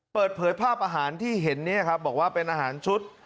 เปิดเผยภาพอาหารที่เห็นเนี่ยครับบอกว่าเป็นอาหารชุด